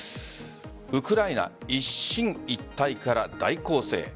ウクライナ一進一退から大攻勢へ？